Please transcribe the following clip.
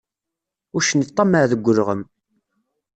Uccen iṭṭammaɛ deg ulɣem.